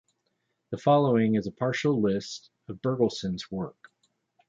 The following is a partial list of Bergelson's works.